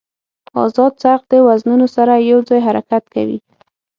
ازاد څرخ د وزنونو سره یو ځای حرکت کوي.